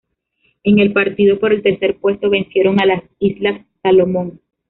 En el partido por el tercer puesto vencieron a las Islas Salomón.